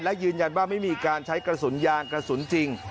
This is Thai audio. และยืนยันว่าไม่มีการใช้กระสุนยางกระสุนจริง